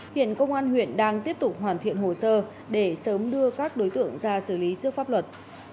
hiện công an huyện đang tiếp tục hoàn thiện hồ sơ để sớm đưa các đối tượng ra xử lý trước pháp luật